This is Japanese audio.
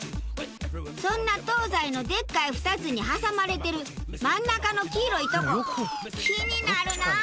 そんな東西のでっかい２つに挟まれてる真ん中の黄色いとこ気になるなあ！